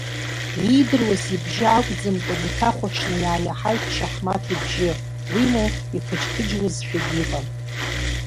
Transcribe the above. Иидыруаз ибжьы акәӡамкәаны, иҭахәаҽны иааиаҳаит Чаҳмаҭ ибжьы, уимоу, иқыџьқыџьуазшәагьы иҟан.